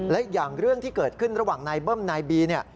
และอีกอย่างเรื่องที่เกิดขึ้นระหว่างนายเบิ้มนายบีเนี่ย